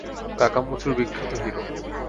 কাকামুচোর বিখ্যাত হিরো!